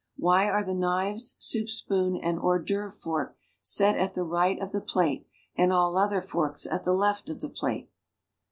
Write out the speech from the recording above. Why are the knives, soup spoon and liors d'oeuvrc fork set at the right of the plate and all other forks at the left of the plate.'